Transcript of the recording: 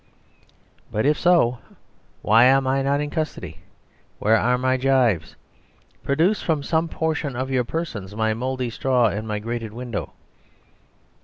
But if so, why am I not in custody; where are my gyves? Produce, from some portion of your persons, my mouldy straw and my grated window.